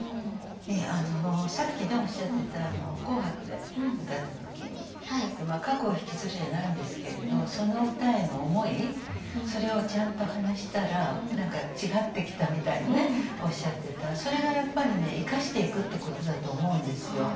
さっきおっしゃってた「紅白」で歌った時に過去をひきずるじゃないんですけれどその歌への思いそれをちゃんと話したら違ってきたみたいにおっしゃってたそれがやっぱりね生かしていくってことだと思うんですよ。